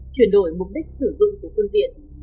chuyển đổi mục đích sử dụng của phương viện